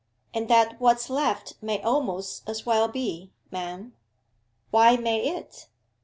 'And that what's left may almost as well be, ma'am.' 'Why may it?